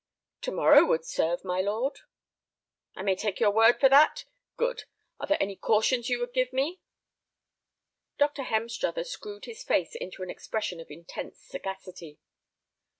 "To morrow would serve, my lord." "I may take your word for that? Good. Are there any cautions you would give me?" Dr. Hemstruther screwed his face into an expression of intense sagacity.